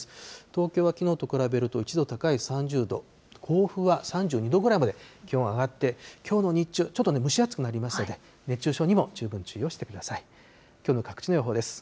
東京はきのうと比べると１度高い３０度、甲府は３２度ぐらいまで気温上がって、きょうの日中、ちょっと蒸し暑くなりますので、熱中症にも十分注意をしてください。